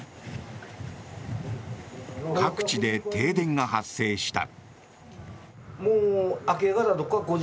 各地で停電が発生した。